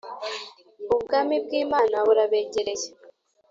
Ubwami bw Imana burabegereye